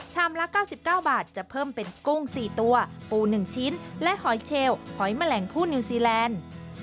ละ๙๙บาทจะเพิ่มเป็นกุ้ง๔ตัวปู๑ชิ้นและหอยเชลหอยแมลงผู้นิวซีแลนด์